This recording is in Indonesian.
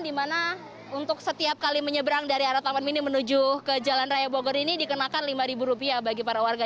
dan setiap kali menyeberang dari arah taman mini menuju ke jalan raya bogor ini dikenakan rp lima bagi para warga